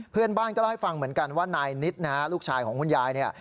เพื่อนบ้านก็เล่าให้ฟังเหมือนกันว่านายนิดนะฮะลูกชายของคุณยายเนี่ย